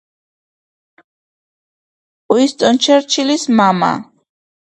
უინსტონ ჩერჩილის მამა.